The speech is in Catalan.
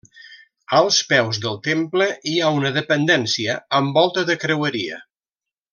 Als peus del temple hi ha una dependència amb volta de creueria.